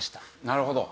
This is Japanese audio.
なるほど。